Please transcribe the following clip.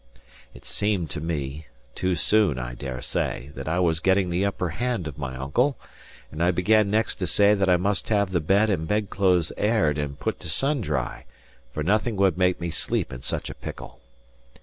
It seemed to me (too soon, I dare say) that I was getting the upper hand of my uncle; and I began next to say that I must have the bed and bedclothes aired and put to sun dry; for nothing would make me sleep in such a pickle.